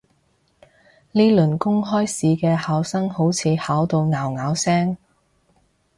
呢輪公開試啲考生好似考到拗拗聲